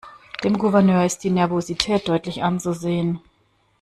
Dem Gouverneur ist die Nervosität deutlich anzusehen.